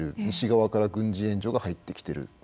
西側から軍事援助が入ってきてる。